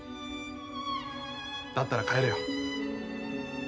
だったら帰れよ。